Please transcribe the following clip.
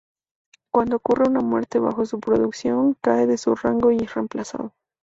Cuando ocurre una muerte bajo su producción, cae de su rango y es reemplazado.